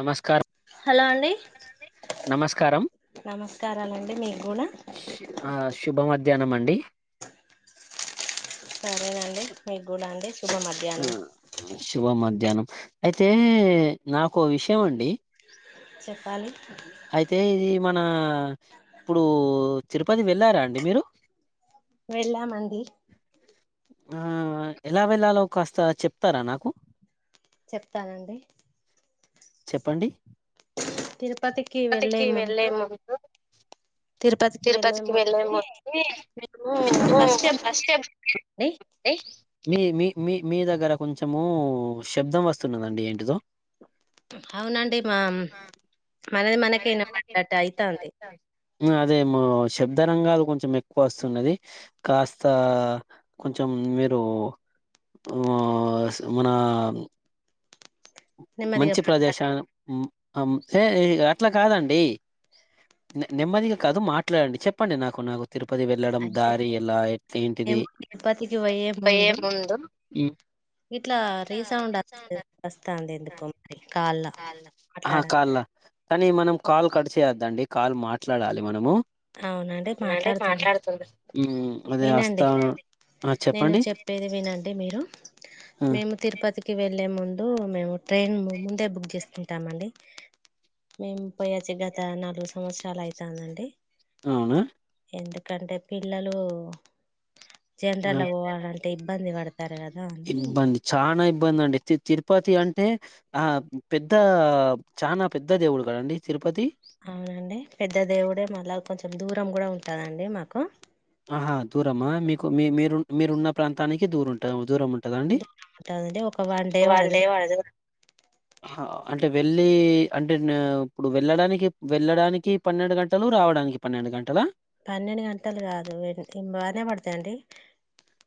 Namaskar hello అండి నమస్కారం నమస్కారాలండి మీకు కూడా ఆ శుభమ్ వద్ మధ్యాహ్నం అండి సరేనండి మీకు గూడ అండి శుభ ఉ మధ్యాహ్నం శుభ మద్ ధ్యానం అయితే నాకో విషయం అండి చెప్పాలి నా ఇప్పుడు తిరుపతి వెళ్ళారా అండి మీరు వెళ్ళామండి మా ఎలా వెళ్లాలో కాస్త చెప్తారా నాకు చెప్తానండి చెప్పండి తిరుపతికి వెళ్లే ముందు వెళ్ళే తిరుపతికి ముందు వెళ్లేముందే మీరు ఫస్ట్ డే బుక్ అండి చేసుకోండి మీ మీ మీ మీ దగ్గర కొంచెము శబ్దం వస్తున్నదండి ఏంటిదో అవునండి మా మనది మనకే వినపడ్డట్టు అయితాంది నాకు అదేమో శబ్ద రంగాలు కొంచెం ఎక్కువ వస్తున్నది కాస్త కొంచెం మీరు మన నెమ్మదిగా మంచి ప్రదేశనం ఆమ్ సే ఇగ అట్లా కాదండి నెమ్మదిగా కాదు మాట్లాడండి చెప్పండి నాకు నాకు తిరుపతి వెళ్ళడం అయితే దారి ఎలా ఏట్ ఏంటిది మేము తిరుపతికి పోయే ముందు అందే ఎందుకో మరి కార్ల ఆ మాట్లాడ కాల్ల కానీ మనం కాల్ కడు చేయొద్దండి కాల్ మాట్లాడాలి మనము అవునండి మాట్లాడుతుంద మ్ అదే వినండి వస్తాను ఆ నేను చెప్పండి చెప్పేది వినండి మీరు ఆ మేము తిరుపతి కి వెళ్లే ముందు మేము ట్రైన్ మున్ ముందే బుక్ చేసుకున్ ఉంటామండి మేము పోయచ్చి గత నాలుగు సంవత్సరాలు అయితాందండి అవునా ఎందుకంటే పిల్లలు జనరల్ ఆ వోవాలంటే ఇబ్బంది వాడు ఇబ్బంది చనా ఇబ్బంది అండి తి తిరుపతి అన్ అంటే ఆ పెద్ద చనా పెద్ద దేవుడు గదండి తిరుపతి అవునండి పెద్ద దేవుడే మళ్ళా కొంచెం దూరం గుడా ఉంటుందండి మాకు ఆహా దూరమా మీకు మీ మీరు మీరున్న ప్రాంతానికి దూరం ఉంటా దూరం ఉంట కదాండి దూరం ఉంటదండి ఒక వన్ డే వాండే పడతది వజగున హా అంటే వెళ్ళి అంటే న ఇప్పుడు వెళ్ళడానికి వెళ్ళడానికి పన్నెండు గంటలు రావడానికి పన్నెండు గంటలా. పన్నెండు గంటలు కాదు వెన బానే పడతాయిండి.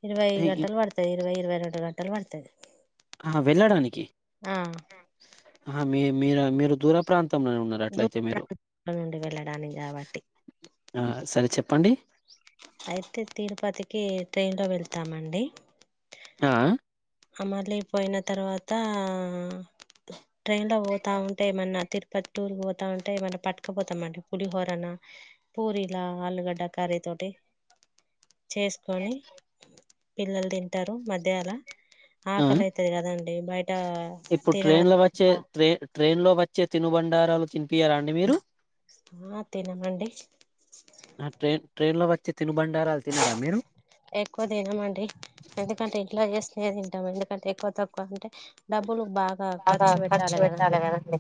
ఇరవై ఇ ఇ గంటలు పడుతయి ఇరవై ఇరవై రెం గంటలు పడతది ఆ వెళ్ళడానికి ఆ ఆ మీ మీర మీరు దూర ప్రాంత దూర ప్ర నుండి వెళ్ళడానికి కాబట్టి. ఆ సరే చెప్పండి. అయితే తిరుపతి కే ట్రైన్లో వెళ్తామండి. ఆ అమళ అయిపోయిన తర్వాత ట్రైన్ లో పోతా ఉంటే ఏమన్నా తిను పత్ఊరుకి పోతామంటే మనం పట్టుకపోతాంమంట పులిహోరన, పూరీలా ఆలుగడ్డ కర్రీ తోటి చేసుకొని పిల్లలు తింటారు మధ్యాహ్న ఆ! ఆకలి అయితది కదా ఏ బై ఇప్పుడు ట్రైన్ లో వచ్చే ట్రైన్ ట్రైన్ లో వచ్చే తినుబండారాలు తిని ఈయరా అండి మీరు ఆ తినమండి ఆ ట్రైన్ ట్రైన్ లో ప ఎక్కువ తినమండి ఎందుకంటే ఇంట్లా చేస తింటామ్ అండి ఎందుకంటే ఎక్కువ తక్కువ అంటే బాగా ఖర్చు పెట్టాలి కదండి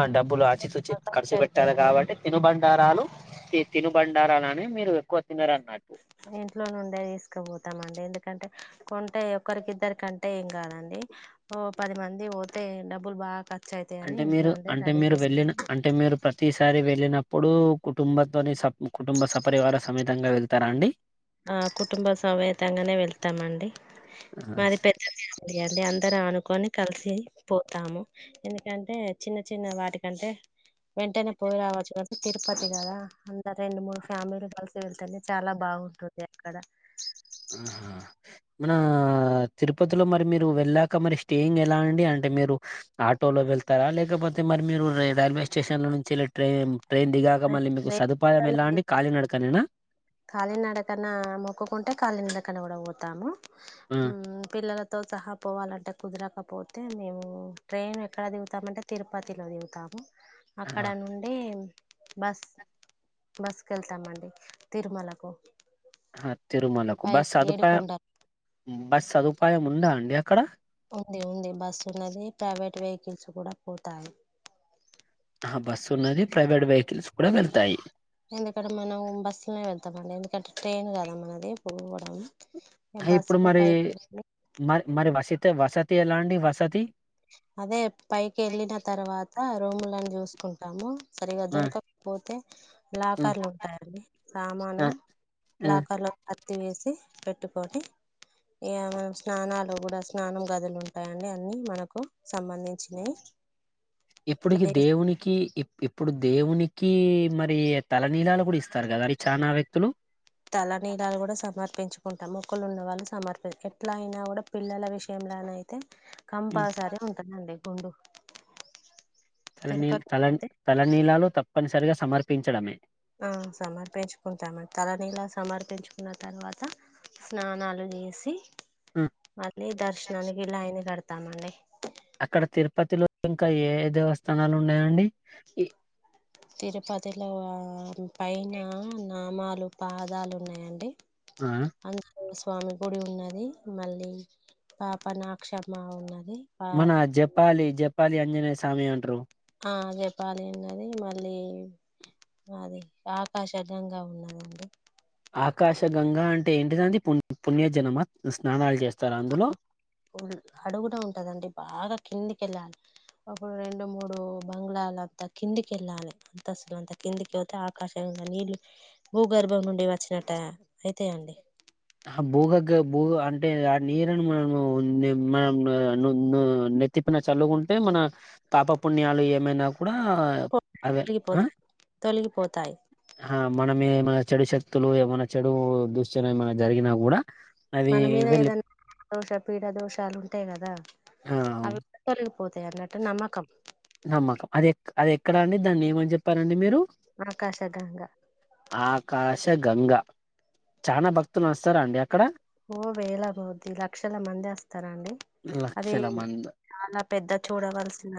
ఆ డబ్బులు ఆచితూచి ఖర్చు అయితయి పెట్టాలి కా కాబట్టి తినుబండారాలు తినుబండారని మీరు ఎక్కువ తినరన్నట్టు. ఇంట్లో నుండే తీసుకపోతామండి ఎందుకంటే కొంటే ఒక్కరికిద్దరి కంటే ఇం కాదండి ఓ పది మంది పోతే డబ్బులు బాగా ఖర్చు అయితాయని అంటే ఇంట్లో మీరు నుండే అంటే రెడీ మీరు చేసుకొని అప్పుడు కుటుంబంతోనే స కుటుంబ సపరివార సమేతంగా వెళ్తారా అండి. ఆ కుటుంబ సమేతంగానే వెళ్తామండి ఆహా మరి స్ [inaudible] ఇద్దర అనుకొని కలిసి పోతాము. ఎందుకంటే చిన్న చిన్న వాటికంటే వెంటనే పోయి రావచ్చు కాంటే తిరుపతి కదా అందరు రెండు మూడు ఫ్యామిలు కలిసి వెళ్తామ్. చాలా బాగుంటుం ఎక్కడ మన తిరుపతిలో మరి మీరు వెళ్ళాక మరి స్టేయింగ్ ఎలా అండి అంటే మీరు ఆటోలో వెళ్తారా లేకపోతే మరి మీరు రైల్వే స్టేషన్ల నుంచెల్లి ట్రైన్ ట్రైన్ దిగాక మళ్ళీ మీకు సదుపాయం ఎలా అండి కాలీనడక నేనా కాలీనడకన్నా మొక్కుకుంటే కాలినడకన కూడా పోతాము. ఆ! పిల్లలకు తో సహా పోవాలంటే కుదరకపోతే మేము ట్రైన్ ఎక్కడ దిగుతామంటే తిరుపతిలో దిగుతాము. ఆ! అక్కడ నుండి బస్ బస్కు ఏళ్తామండి. తిరుమలాకు హ తిరుమలకు బస్ సదుపాయం బస్ సదుపాయం ఉందా ఉండి. ఆక్కడ ఉంది ఉంది బస్సు ఉన్నది ప్రైవేట్ వె చికిత్సు కూడ [inaudible] పోతాయి ఆ బస్సు ఉన్నది ప్రైవేట్ వెహికల్స్ కూడ వెళ్తాయి ఎంత కంటే ఓం బస్ అట్నే వెళ్తాం అండి ఎందుకంటే ట్రైన్ కదా మనది పోవడం హా ఇప్పుడు బస్సుకు మరి పైకి మరి మరి వసితి వసతి ఎలా డి వసతి అదే పైకి వెళ్లిన తర్వాత అ రూములను చూసుకుంటాము సరిగ ఆ దొరకకపోతే ఆ లాకర్లు ఉంటాయండి సామాను ఆ ఆ లాకర్లో పెట్టి వేసి పెట్టుకొని ఏమన్నా స్నానాలు కూడా స్నానాలు గదిలో ఉంటాయండి కు సంబంధించినై ఇప్పుడుకి దేవునికి ఇప్పు ఇప్పుడు దేవుని కీ మరి తలనీలాలు కూడా ఇస్తారు కదా అండి చానా వ్యక్తులు తలనీలాలు కూడా సమర్పించుకున్ మొక్కలు ఉన్న వాళ్ళు సమర్పించ ఎట్లా అయినా కూడా పిల్లల విషయంలోన అయితే ఉమ్, కంపల్సరీ ఉంటుందండి ఉండు తలనీల్ తల తలనీలాలు తప్పనిసరిగా సమర్ప పించడమే ఆ సమర్పించుకుంటామ తలనీలా సమర్పించు ఉన్న తర్వాత స్నానాలు చేసి ఉమ్, మళ్లీ దర్శనానికి నికి లైన్ కట్ తామండి అక్కడ తిరుపతిలో ఇంకా ఏ ఏ దేవస్థానాలు ఉన్నాయండి ఈ- తిరుపతి లో అ ఆరు అ పైనా నామ పాదాలు ఉన్నాయండి ఆ అ స్వామి గుడి ఉన్నది మళ్లీ పాప నాక్షమ్మ ఉన్నది పా మన జపాలి జపాలి ఆంజనేయ సామి అంటరు ఆ జపాలి ఉన్నది మళ్ళీ అది ఆకాశ గంగ ఉన్నదండి ఆకాశగంగా అంటే ఎంటిదండి పు పుణ్యజనమ స్నానాలు జేస్తూ అడుగున ఉంటదండి బాగా కిందికి ఏళ్ళాలి. అప్పుడు రెండు మూడు బంగ్ళాలంతా కిందికి ఏళ్ళాలి అంత అసలు అంత కిందికి పోతే ఆకాశంగా నీళ్లు భూగర్భం నుండి వచ్చినట్ట అయితయి అండి. ఆ భూగగ్గ భూ అంటే ఆ నీరును మనం మనం నెత్తిపైన చల్లుకుంటే మన పాపపుణ్యాలు ఏమైనా కూడా అదే తొలిగిపోతాయి ఆ తొలగిపోతాయి తొలగిపోతాయి ఆ మనము ఏమన్న చెడు శక్తులు ఏమన్నా చెడు దుషను ఏమ జరిగినా గుడా మన మీద ఏదన్నా దోష పీడ దోషాలు ఉంటాయి. గాదా ఆ అవి [unintelligible] పోతయి అన్నట్టు నమ్మకం నమ్మకం. అది ఎ అది ఎక్కడా అండి దాన్ని ఏమని చెప్పారండి. మీరు ఆకాశగంగా శ గంగా చానా భక్తులు వస్తార అండి. అక్కడ ఓ వేలా కోద్ది లక్షల మంది ఆస్తారండి. అది లక్షల మంది చాలా పెద్ద చూడవలసిన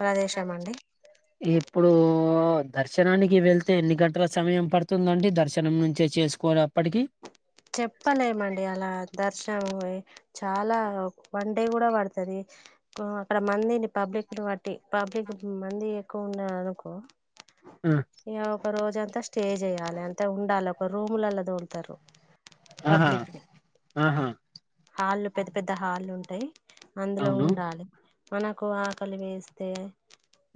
ప్రదేశం అండి ఇప్పుడు డు దర్శనానికి వెళ్తే ఎన్ని గంటల సమయం పడుతుందండి. దర్శనం నుంచే చేసుకో ఆప్పటికి చెప్పలేమండి అలా ద దర్శనం చాలా పం డే కూడా పడుతది. అక్కడ మందిని పబ్లిక్ ని బట్టి పబ్లిక్ మంది ఎక్కువ ఉన్నారు అనుకో ఆ ఇగ ఒక రోజ్ జంతా స్టే జేయాలె అంత ఉండాలి ఒక రూములల్లా తోల్తారు. ఆహా పబ్లిక్, ఆహా హాల్ల్ పెద్ద పెద్ద హాళ్ళు ఉ టయి అందులో అవును ఉండాలి. మనకు ఆకలి వేస్తే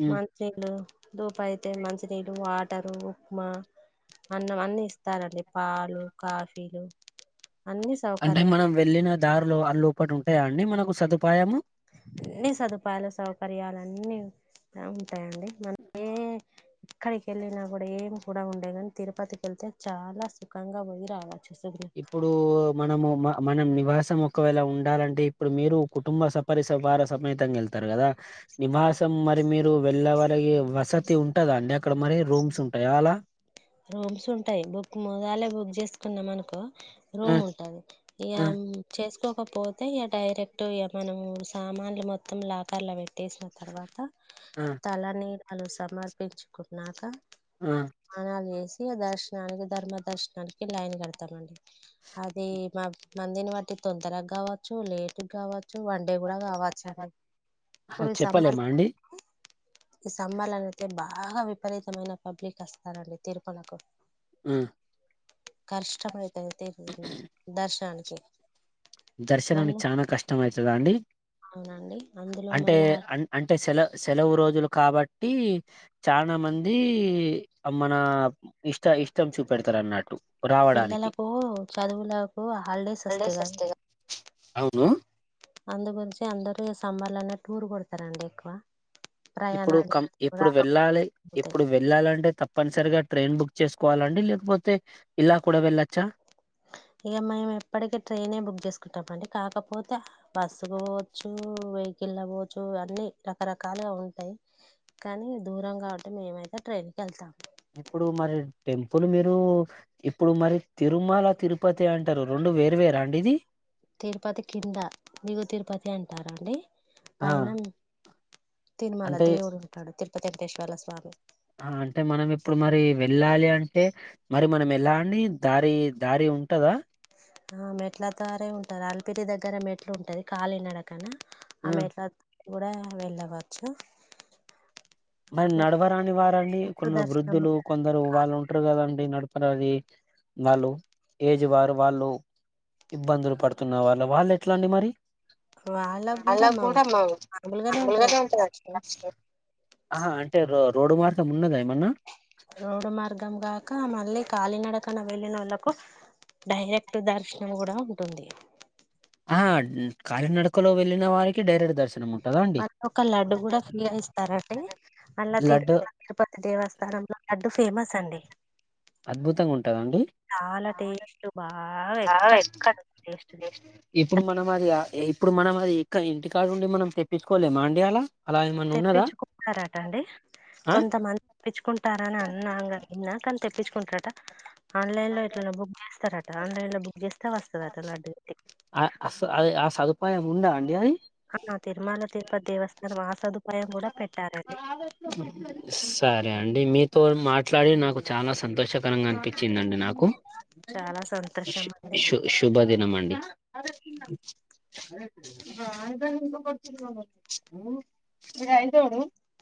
ఉమ్ మంచీలు దొపైయితే మంచినీళు వా ట్టరు ఉప్మా, అన్నం అన్నీ ఇస్తారండి. పాలు కాఫీలు అన్ని అంటే సౌకర్యాలు మనం వెళ్ళిన దారిలో అ లోపటి ఉంటాయా అన్నీ మనకు సదుపాయము. అన్ని సదుపాయలు సౌకర్యాలన్నీ ఉంటాయండి. మన ఏ ఎక్కడికి ఎళ్ళినా గుడా ఏం కూడా ఉండే గాని తిరుపతికెళ్తే చాలా సుఖంగా పోయి రావ ఇప్పుడు మనము మ మనం నివాసం ఒకవేళ ఉండాలంటే ఇప్పుడు మీరు కుటుంబ సపరిసవార సమేతంగా ఎళ్తారు కదా, నివాసం మరి మీరు వెళ్ళవరకి వసతి ఉంటదా అండి అక్కడ మరి రూమ్స్ ఉంటాయ అలా. రూమ్స్ ఉంటాయ్ బుక్ ముదాలే బుక్ చేస్ కున్నం అనుకో ఆ రూమ్ ఉంటాది ఆ ఇయమ్ చేసుకో కొపోతే ఇయ డైరెట్ట్ ఇయ మనము సామాన్లు మొత్తం లాకర్ల పెట్టేసిన తర్వాత ఆ తాలనిల్ వాళ్ళు సమర్పించుకున్నాక ఉ ఎసి ఆదర్శనానికి ధర్మ దర్శనానికి లైన్ కడతామండి. అది మా మందిని వట్టి తొందరగావచ్చు లేటుగా గావ చ్చు వన్ డే కూడా కావచ్చండి, ఆహా, ఇప్పురు సంమర్ చెప్పలేమా అండి ఈ సమ్మర్ళన యితే బా బాగా విపరీతమైన పబ్లిక్ వస్తారండి. తిర్ మలకు ఆ కష్టమైతె తేంది దర్శన్ కి దర్శనానికి చాన కష్టం అయితద అండి. అవునండి అందులో అంటే మళ్ళా అన్ అంటే సేల సె నలువు రోజులు కాబట్టి చాన మంది మన ఇష్ట ఇష్టం చూపెడతారన్నట్టు రావడానికి. పిల్లలకు చదువులకు హాల్డేస్ వస్తయ్ [unintelligible] అవును గురించి అందరూ టూర్ కొడతార అండి ఎక్కువ ఇప్పుడు ప్రయాణాలు క ఎప్పుడు రాకపోతే వెళ్ళాలి ఎప్పుడు వెళ్ళాలంటే తప్పనిసరిగా ట్రైన్ బుక్ చేసుకోవాలండి లేకపోతే ఇలా కూడా వెళ్లచ్చా ఇగా మేము ఎప్పటికీ ట్రైనే బుక్ చేసుకుంటాం అండి కాకపోతే బస్సుకి పోవచ్చు వెహికల్ ల పోవచ్చు అన్నీ రకరకాలుగా ఉంటాయి కానీ దూరం కాబట్టి మేమైతే ట్రైన్ కెళ్తాము. ఇప్పుడు మరి టెంపుల్ మీరు ఇప్పుడు మరి తిరుమల తిరుపతి అంటారు రెండూ వేరు వేరా అండి ఇది తిరుపతి కింద దిగువ తిరుపతి అంటారండి ఆ పైన తిరుమల అంటే దేవుడు ఉంటాడు తిరు పతి వెంకటేశ్వర్ల స్వామి ఆ అంటే మనం ఇప్పుడు మరి వెళ్ళాలి అంటే మరి మనం ఎలా అండి దారి దారి ఉంటదా ఆ మెట్ల దారి ఉంటాది అలిపిరి దగ్గర మెట్లుంటది కాలినడకన ఆ మెట్ల గూడా వెళ్ళవచ్చు. మరి నడువరాని వారండి మెట్లు కొన్ని దర్శనం వృద్ధులు కొందరు వాళ్ళు ఉంటురు కదండి నడుపరాది వాళ్ళు ఏజ్ వారు వాళ్ళు ఇబ్బందులు పడుతున్న వాళ్ళు వాళ్ళెట్లండి మరి వాళ్ళకు కూడా మౌ మామూలుగానే ఉంటదంది [inaudible] ఆహా అంటే రో రోడ్డు మార్గం ఉన్నదా ఏమన్నా రోడ్ మార్గం కాక మళ్ళీ కాలినడకన వెళ్ళినోళ్ళకు డైరెక్ట్ దర్శనం కూడా ఉంటుంది ఆ కాలినడకలో వెళ్ళిన వారికి డైరెక్ మళ్ళీ ఒక లడ్డు కూడా ఫీగా ఇస్తారండి మళ్ళా తిరు లడ్డు [inaudible] తిరుపతి దేవస్థానంలో లడ్డు ఫేమస్ అండి అద్భుతంగా ఉంటదా అండి చాలా టేస్ట్ బాగా ఎక్కడ టేస్ట్ ఇప్పుడు మనం అది ఆ ఏ ఇప్పుడు మనం అది ఇక్క ఇంటికాడ ఉండి మనం తెప్పిచ్చుకోలేమా అండి అలా అలా ఏమన్నా ఉన్నదా తెప్పించుకుంటారటండి ఆ కొంతమంది తెప్పించుకుంటారని అన్నా నిన్నా కానీ తెచ్చుకుంటారట ఆన్లైన్ లో ఎట్లనే బుక్ చేస్తారట ఆన్లైన్ లో బుక్ చేస్త ఆ అస అది ఆ సదుపాయం ఉండడా అండి అయి ఆ తిరుమల తిరుపతి దేవస్థనంత సరే అండి మీతో మాట్లాడి నాకు చాలా సంతోషకరంగా అనిపించిందండి నాకు చాలా సంతోషం అండి శు శుభ దినం అండి అ అకా ఇఐదోడు